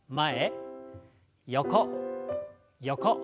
横横。